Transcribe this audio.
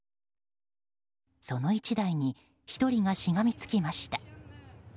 その１台に１人がしがみつきました。